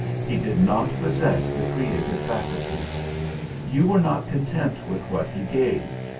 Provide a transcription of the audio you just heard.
He did not possess the creative faculty. You were not content with what he gave.